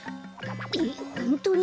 えっホントに？